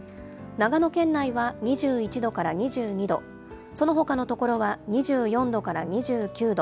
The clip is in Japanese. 長野県内は２１度から２２度、そのほかの所は２４度から２９度。